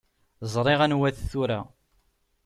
Ẓriɣ anwa-t tura.